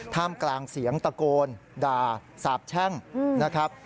ท่ามกลางเสียงตะโกนด่าสาบแช่งนะครับ